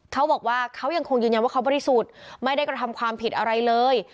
เขาบอกว่าเขายังคงยืนยันว่าเขาบริสุทธิ์ไม่ได้กระทำความผิดอะไรเลย